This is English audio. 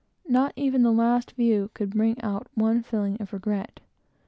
Not even the last view could bring out one feeling of regret.